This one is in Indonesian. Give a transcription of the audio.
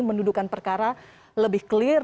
mendudukan perkara lebih clear